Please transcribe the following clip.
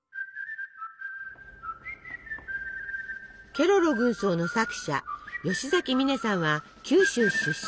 ケロロ軍曹の作者吉崎観音さんは九州出身。